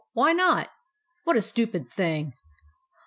Why not ? What a stupid thing